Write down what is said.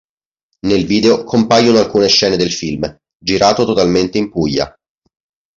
Nel video compaiono alcune scene del film, girato totalmente in Puglia.